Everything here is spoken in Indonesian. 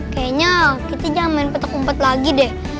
kayaknya kita jangan main petuk umpet lagi deh